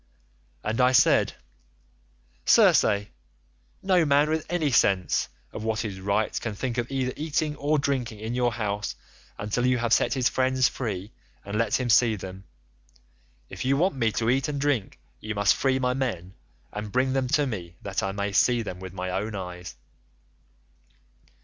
"And I said, 'Circe, no man with any sense of what is right can think of either eating or drinking in your house until you have set his friends free and let him see them. If you want me to eat and drink, you must free my men and bring them to me that I may see them with my own eyes.